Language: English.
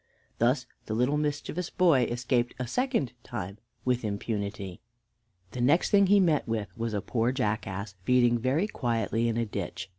Thus this little mischievous boy escaped a second time with impunity. The next thing he met with was a poor jackass feeding very quietly in a ditch.